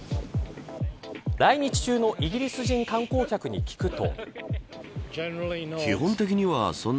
来日中のイギリス人観光客に聞くと。